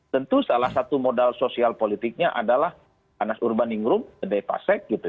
tentu salah satu modal sosial politiknya adalah anas urban ingrum dede pasek gitu